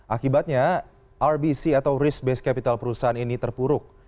akibatnya rbc atau risk base capital perusahaan ini terpuruk